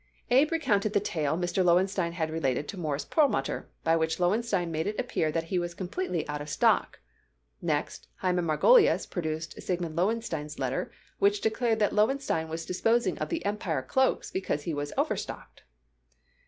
Abe recounted the tale Mr. Lowenstein had related to Morris Perlmutter, by which Lowenstein made it appear that he was completely out of stock. Next, Hyman Margolius produced Siegmund Lowenstein's letter which declared that Lowenstein was disposing of the Empire cloaks because he was overstocked.